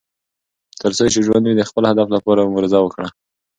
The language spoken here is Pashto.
تر څو چې ژوند وي، د خپل هدف لپاره مبارزه وکړه.